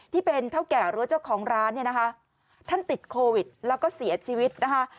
ที่เป็นเท่าแก่รัวเจ้าของร้านท่านติดโควิดแล้วก็เสียชีวิต